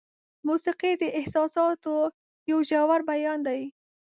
موسیقي د احساساتو یو ژور بیان دی.